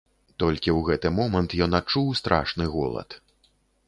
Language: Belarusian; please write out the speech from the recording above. Толькі ў гэты момант ён адчуў страшны голад.